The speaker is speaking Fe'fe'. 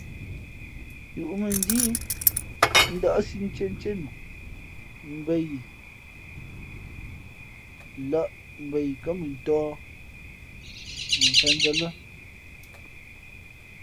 Yūʼmᾱnjíí ndάʼsí ntíéntíé nu mbα yǐ lᾱ mbα yi kά mʉntōh mα mfěnzᾱ lά.